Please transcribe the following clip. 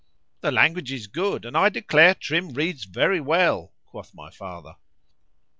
[The language is good, and I declare Trim reads very well, quoth my father.